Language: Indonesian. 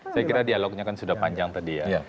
saya kira dialognya kan sudah panjang tadi ya